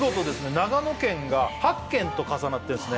長野県が８県と重なってんすね